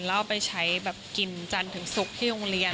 แล้วเอาไปใช้แบบกินจันทร์ถึงศุกร์ที่โรงเรียน